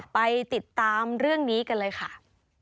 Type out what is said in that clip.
ไปติดตามเรื่องนี้กันเลยค่ะ